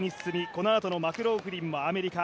このあとのマクローフリンアメリカ